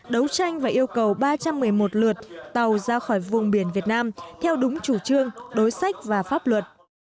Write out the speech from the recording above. đấu tranh và yêu cầu ba trăm một mươi một lượt tàu ra khỏi vùng biển việt nam theo đúng chủ trương đối sách và pháp luật